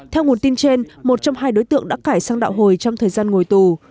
theo nguồn tin trên một trong hai đối tượng đã cải sang đạo hồi trong thời gian ngồi tù